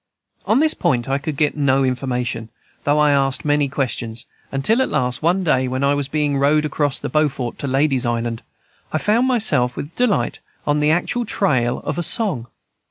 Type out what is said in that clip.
On this point I could get no information, though I asked many questions, until at last, one day when I was being rowed across from Beaufort to Ladies' Island, I found myself, with delight, on the actual trail of a song.